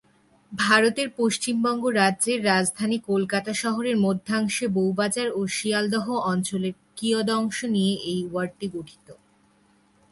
ভারতের পশ্চিমবঙ্গ রাজ্যের রাজধানী কলকাতা শহরের মধ্যাংশে বউবাজার ও শিয়ালদহ অঞ্চলের কিয়দংশ নিয়ে এই ওয়ার্ডটি গঠিত।